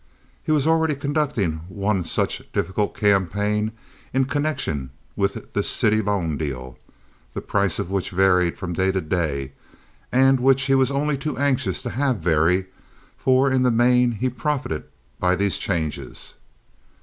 He was already conducting one such difficult campaign in connection with this city loan deal, the price of which varied from day to day, and which he was only too anxious to have vary, for in the main he profited by these changes.